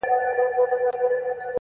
د هغه په زړه کي بل د میني اور وو-